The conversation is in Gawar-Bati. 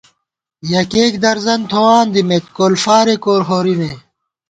یَکېک درزَن تھوان دِمېت کول فارےکول ہورِمے